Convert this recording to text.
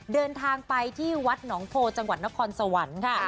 เดินทางไปที่วัดหนองโพจังหวัดนครสวรรค์ค่ะ